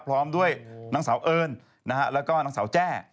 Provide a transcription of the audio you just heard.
พร้อมด้วยนางสาวเอิญนะฮะแล้วก็นางสาวแจ้